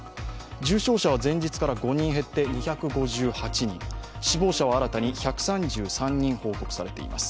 重症者は前日から５人減って、２５８人死亡者は新たに１３３人報告されています。